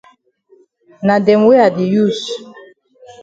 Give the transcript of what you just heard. Na dem wey I di use.